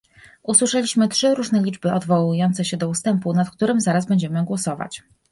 Usłyszeliśmy trzy różne liczby odwołujące się do ustępu, nad którym zaraz będziemy głosować